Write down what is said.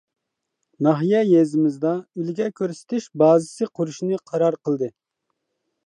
ناھىيە يېزىمىزدا ئۈلگە كۆرسىتىش بازىسى قۇرۇشنى قارار قىلدى.